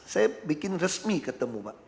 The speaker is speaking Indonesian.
saya bikin resmi ketemu pak